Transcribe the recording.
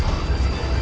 baiklah saya berdoa